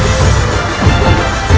suruh kita pergi kemati